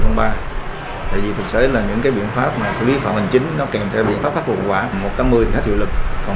tại vì thực sự là những biện pháp xử lý phạm hành chính nó kèm theo biện pháp phát phục quả một trăm tám mươi thì hết hiệu lực